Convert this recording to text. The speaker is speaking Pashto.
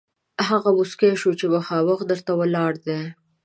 هغه موسکی شو چې مخامخ در ته ولاړ دی.